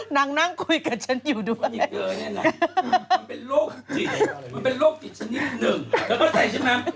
นั่งนั่งคุยกับฉันอยู่ด้วยมันเป็นโรคจิตมันเป็นโรคจิตชนิดหนึ่ง